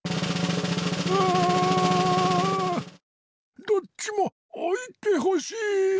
ううん。どっちもおいてほしい！